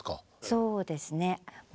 そうですね。